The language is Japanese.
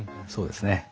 そうですね。